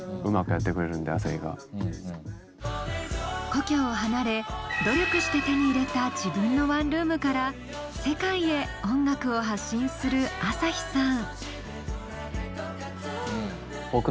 故郷を離れ努力して手に入れた自分のワンルームから世界へ音楽を発信するＡＳＡＨＩさん。